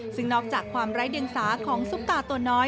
ซึ่งนอกจากความไร้เดียงสาของซุปตาตัวน้อย